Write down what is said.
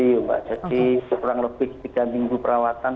jadi kurang lebih tiga minggu perawatan